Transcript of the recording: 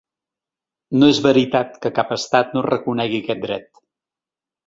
No és veritat que cap estat no reconegui aquest dret.